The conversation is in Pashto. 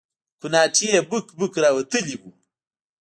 کوناټي يې بوک بوک راوتلي وو.